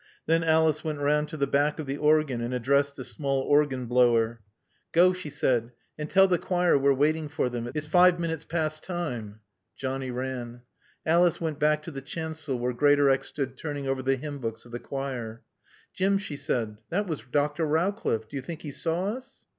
Then Alice went round to the back of the organ and addressed the small organ blower. "Go," she said, "and tell the choir we're waiting for them. It's five minutes past time." Johnny ran. Alice went back to the chancel where Greatorex stood turning over the hymn books of the choir. "Jim," she said, "that was Dr. Rowcliffe. Do you think he saw us?"